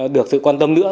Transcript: được sự quan tâm nữa